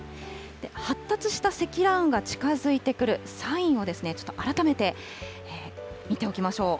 発達した積乱雲が近づいてくるサインをちょっと改めて、見ておきましょう。